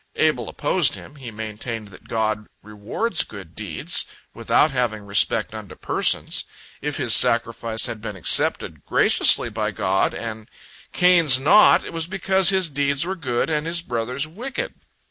Abel opposed him; he maintained that God rewards good deeds, without having respect unto persons. If his sacrifice had been accepted graciously by God, and Cain's not, it was because his deeds were good, and his brother's wicked.